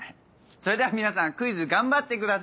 それでは皆さんクイズ頑張ってください！